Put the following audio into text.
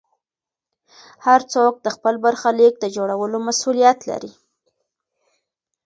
هر څوک د خپل برخلیک د جوړولو مسوولیت لري.